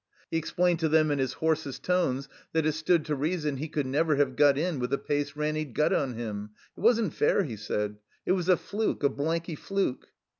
He explained to them in his hoarsest tones that it stood to reason he could never have got in with the pace Ranny 'd got on him. It wasn't fair, he said. It was a fluke, a blanky fluke.